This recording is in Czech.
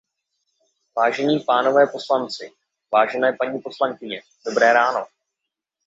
Vážení pánové poslanci, vážené paní poslankyně, dobré ráno!